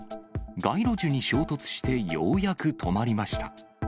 街路樹に衝突してようやく止まりました。